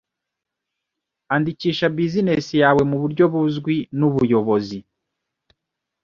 Andikisha Business yawe muburyo buzwi nubuyobozi